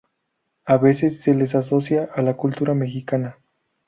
A veces se les asocia a la cultura mexicana.